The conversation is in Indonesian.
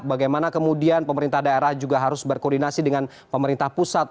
bagaimana kemudian pemerintah daerah juga harus berkoordinasi dengan pemerintah pusat